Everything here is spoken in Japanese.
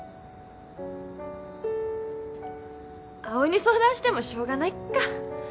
葵に相談してもしょうがないっか。